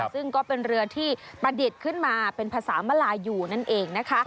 ซึ่งก็เป็นเรือที่ประดิษฐ์ขึ้นมาเป็นภาษามลายูนั่นเองนะคะ